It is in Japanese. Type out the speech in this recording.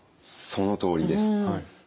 そのとおりです。